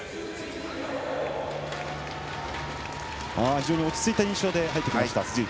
非常に落ち着いた印象で入ってきました、辻内。